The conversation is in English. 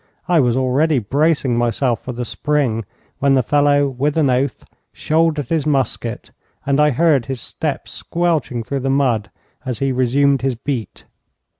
I was already bracing myself for the spring when the fellow, with an oath, shouldered his musket, and I heard his steps squelching through the mud as he resumed his beat.